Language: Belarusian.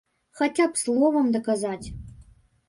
Хаця б словам даказаць!